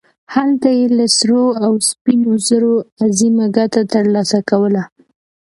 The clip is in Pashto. هلته یې له سرو او سپینو زرو عظیمه ګټه ترلاسه کوله.